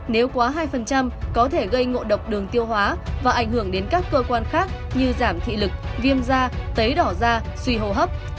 nếu quá hai có thể gây ngộ độc đường tiêu hóa và ảnh hưởng đến các cơ quan khác như giảm thị lực viêm da tấy đỏ da suy hô hấp